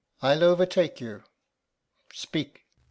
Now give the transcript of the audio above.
Alb. I'll overtake you. Speak.